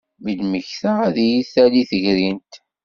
Mi d-mmektaɣ ad iyi-d-tali tegrint.